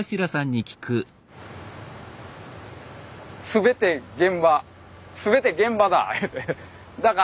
全て現場全て現場だいうて。